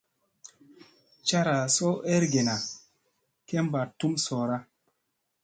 Cara soo ergena kemba tum soora.